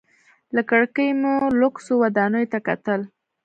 له کړکۍ مې لوکسو ودانیو ته کتل.